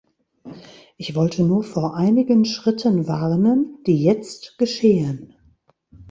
Ich wollte nur vor einigen Schritten warnen, die jetzt geschehen.